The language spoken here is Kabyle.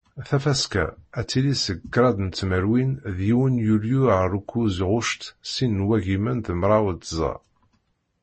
Tafaska ad tili seg kraḍ n tmerwin d yiwen yulyu ar ukuẓ ɣuct sin n wagimen d mraw d tẓa.